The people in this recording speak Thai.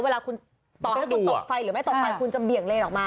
เวลาคุณต่อต่อให้คุณตบไฟหรือไม่ตบไฟคุณจะเหลี่ยงเลทำมา